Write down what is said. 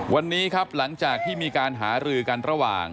วันนี้ครับหลังจากที่มีการหารือกันระหว่าง